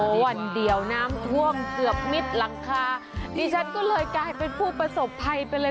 วันเดียวน้ำท่วมเกือบมิดหลังคาดิฉันก็เลยกลายเป็นผู้ประสบภัยไปเลย